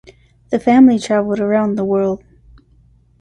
The family travelled around the world.